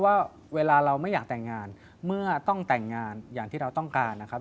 ว่าเวลาเราไม่อยากแต่งงานเมื่อต้องแต่งงานอย่างที่เราต้องการนะครับ